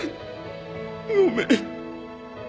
ごめん。